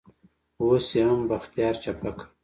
اوس يې هم بختيار چپه کړ.